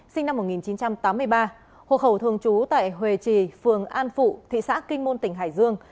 sinh năm một nghìn chín trăm tám mươi ba hộ khẩu thường trú tại hòe trì phường an phụ thị xã kinh môn tỉnh hải dương